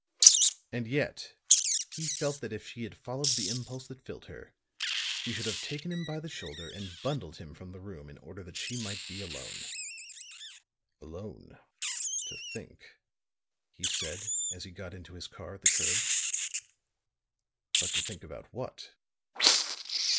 And yet he felt that if she had followed the impulse that filled her, she would have taken him, by the shoulder and bundled him from the room in order that she might be alone. "Alone to think," he said, as he got into his car at the curb. "But to think about what?"